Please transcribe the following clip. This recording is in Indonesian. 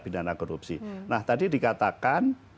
pidana korupsi nah tadi dikatakan